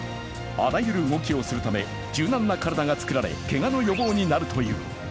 あらゆる動きをするため、柔軟な体が作られ、けがの予防になるという。